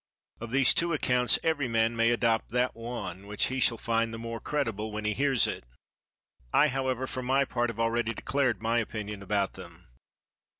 Of these two accounts every man may adopt that one which he shall find the more credible when he hears it. I however, for my part, have already declared my opinion about them.